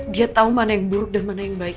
dia tahu mana yang buruk dan mana yang baik